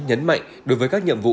nhấn mạnh đối với các nhiệm vụ